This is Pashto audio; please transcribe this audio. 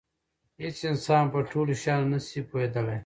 هېڅ انسان په ټولو شیانو نه شي پوهېدلی.